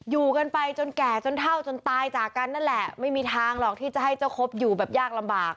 อยู่กันไปจนแก่จนเท่าจนตายจากกันนั่นแหละไม่มีทางหรอกที่จะให้เจ้าครบอยู่แบบยากลำบาก